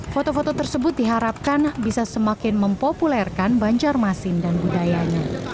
foto foto tersebut diharapkan bisa semakin mempopulerkan banjarmasin dan budayanya